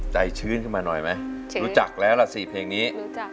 ใจชื่นขึ้นมาหน่อยไหมรู้จักแล้วล่ะสิเพลงนี้